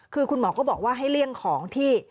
คือคุณหมอก็บอกว่าให้เลี่ยงของที่